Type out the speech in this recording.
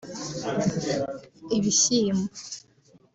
ibishyimbo